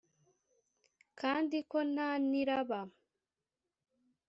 kandi ko nta n’iraba